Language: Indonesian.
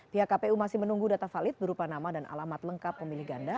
pihak kpu masih menunggu data valid berupa nama dan alamat lengkap pemilih ganda